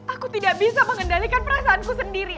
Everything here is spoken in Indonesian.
aku tidak bisa mengendalikan perasaanku sendiri